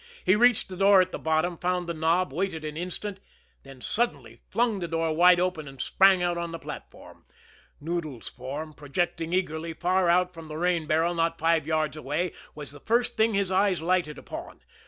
He reached the door at the bottom, found the knob, waited an instant then suddenly flung the door wide open and sprang out on the platform. Noodles' form, projecting eagerly far out from the rain barrel not five yards away, was the first thing his eyes lighted upon.